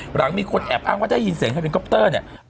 หลังมีคนแอบอ้างว่าได้ยินเสียงเฮลิคอปเตอร์เนี่ย